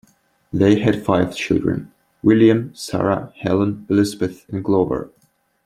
They had five children: William, Sara, Helen, Elizabeth, and Glover.